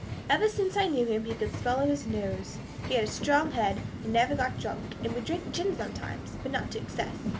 Ever since I knew him he could swallow his nose. He had a strong head, and never got drunk; would drink gin sometimes, but not to excess.